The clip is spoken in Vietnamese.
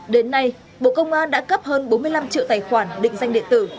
đến nay bộ công an đã cấp hơn bốn mươi năm triệu tài khoản định danh điện tử